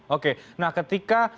oke nah ketika